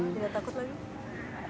tidak takut lagi